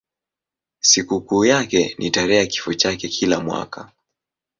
Sikukuu yake ni tarehe ya kifo chake kila mwaka.